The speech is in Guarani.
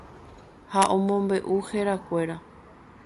ha omombe'u herakuéra.